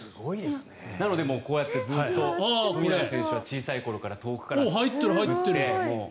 なので、こうやってずっと富永選手は小さい時から遠くから打って。